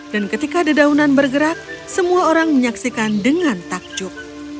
dan ketika dedaunan bergerak semua orang menyaksikan dengan takjub